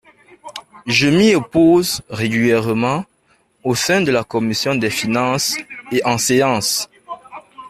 Je m’y oppose régulièrement au sein de la commission des finances et en séance.